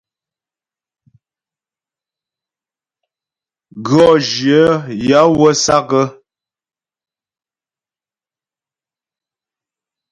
Gʉɔ́ jyə yaə̌ wə́ sǎk.